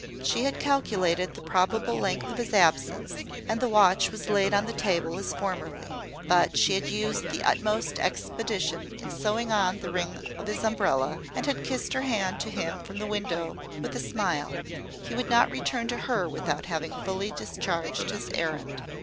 She had calculated the probable length of his absence, and the watch was laid on the table as formerly: but she had used the utmost expedition in sewing on the ring of his umbrella, and had kissed her hand to him from the window with a smile. He would not return to her without having fully discharged his errand.